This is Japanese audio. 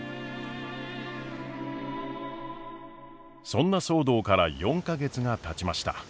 そんな騒動から４か月がたちました。